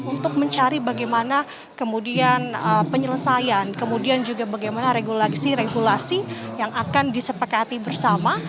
untuk mencari bagaimana kemudian penyelesaian kemudian juga bagaimana regulasi regulasi yang akan disepakati bersama